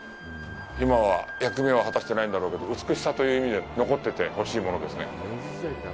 今は役目を果たしてないんだろうけど、美しさという意味では残っててほしいものですね。